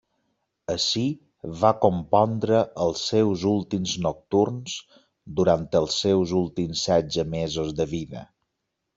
Ací va compondre els seus últims nocturns durant els seus últims setze mesos de vida.